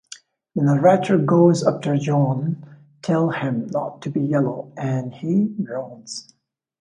The narrator goes after John tells him not to be yellow, and he drowns.